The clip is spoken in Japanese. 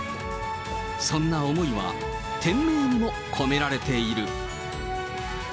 そんな思いは、店名にも込められている。